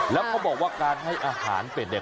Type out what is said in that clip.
แล้วเขาบอกว่าการให้อาหารเป็ดเนี่ย